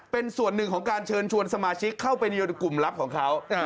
เป็นส่วนหนึ่งของการเชิญชวนสมาชิกเข้าไปในกลุ่มลับของเขา